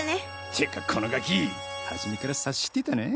てかこのガキ初めから察してたな！